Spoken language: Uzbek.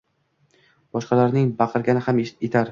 Boshqalarning baqirgani ham etar